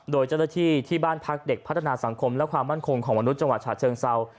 โดยเจ้าหน้าที่ที่บ้านพักเด็กพัฒนาสังคมและความมั่นคงของมนุษย์จังหวัดฉะเชิงเซา